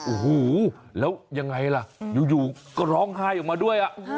โอ้โหแล้วยังไงล่ะอยู่ก็ร้องไห้ออกมาด้วย